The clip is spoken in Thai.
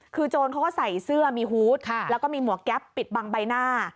คือโจรเขาก็ใส่เสื้อมีฮูตแล้วก็มีหมวกแก๊ปปิดบังใบหน้า